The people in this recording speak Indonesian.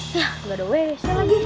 nggak ada wes